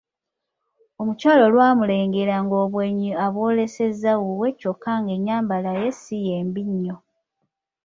Omukyala olwamulengera ng'obwenyi abwolesezza wuwe kyokka ng'ennyambala ye si ye mbi nnyo.